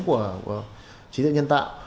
của trí tuệ nhân tạo